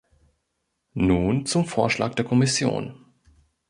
Nun zum Vorschlag der Kommission.